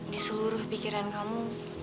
di seluruh pikiran kamu